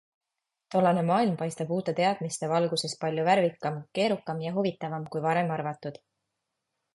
Tollane maailm paistab uute teadmiste valguses palju värvikam, keerukam ja huvitavam kui varem arvatud.